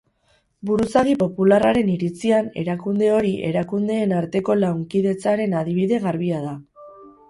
Buruzagi popularraren iritzian, erakunde hori erakundeen arteko lankidetzaren adibide garbia da.